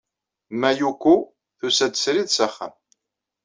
Mayuko tusa-d srid s axxam.